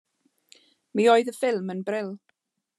Mi oedd y ffilm yn bril.